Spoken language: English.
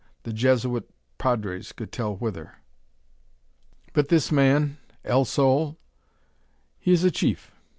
The Jesuit padres could tell whither." "But this man? El Sol?" "He is a chief.